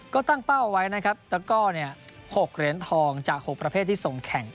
ก็ตั้งเป้าเอาไว้นะครับตะก้อ๖เหรียญทองจาก๖ประเภทที่ส่งแข่ง